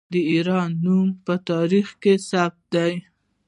د ایران نوم په تاریخ کې ثبت دی.